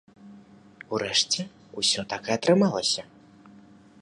Урэшце, усё так і атрымалася.